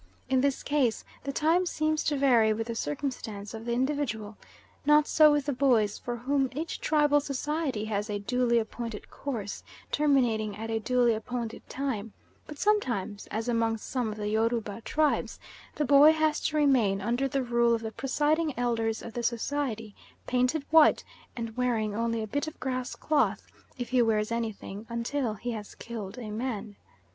In this case the time seems to vary with the circumstances of the individual; not so with the boys, for whom each tribal society has a duly appointed course terminating at a duly appointed time; but sometimes, as among some of the Yoruba tribes, the boy has to remain under the rule of the presiding elders of the society, painted white, and wearing only a bit of grass cloth, if he wears anything, until he has killed a man.